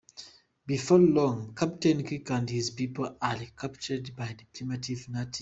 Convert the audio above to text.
Before long, Captain Kirk and his people are captured by primitive natives.